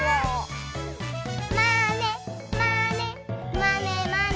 「まねまねまねまね」